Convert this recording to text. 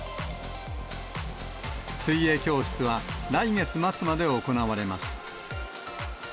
水泳教室は来月末まで行われます。